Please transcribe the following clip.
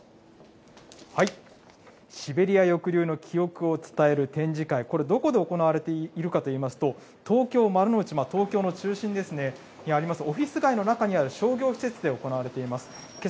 シベリア抑留の記憶を伝える展示会、これ、どこで行われているかといいますと、東京・丸の内、東京の中心ですね、にあります、オフィス街にある商業施設で行われています。